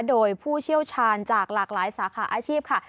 โดยผู้เชี่ยวชาญจากหลากหลายสาขาอาชีพค่ะ